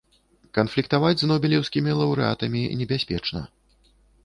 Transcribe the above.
Канфліктаваць з нобелеўскімі лаўрэатамі небяспечна.